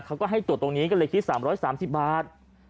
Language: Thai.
เขาก็ให้ตรวจตรงนี้ก็เลยคิด๓๓๐บาท